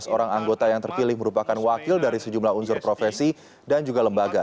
empat belas orang anggota yang terpilih merupakan wakil dari sejumlah unsur profesi dan juga lembaga